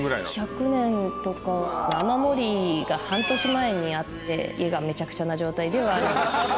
１００年とかは雨漏りが半年前にあって家がめちゃくちゃな状態ではあるんですけど。